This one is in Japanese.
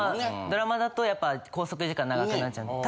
ドラマだとやっぱ拘束時間長くなっちゃうんで。